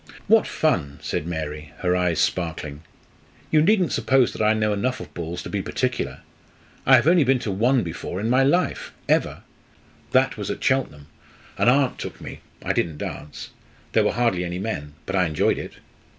"What fun!" said Mary, her eye sparkling. "You needn't suppose that I know enough of balls to be particular. I have only been to one before in my life ever. That was at Cheltenham. An aunt took me I didn't dance. There were hardly any men, but I enjoyed it."